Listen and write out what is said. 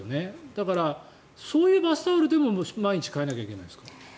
だから、そういうバスタオルでも毎日替えなきゃいけないんですか？